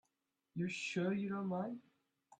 You're sure you don't mind?